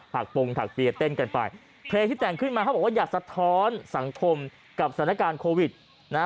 หากปงถักเปียเต้นกันไปเพลงที่แต่งขึ้นมาเขาบอกว่าอยากสะท้อนสังคมกับสถานการณ์โควิดนะฮะ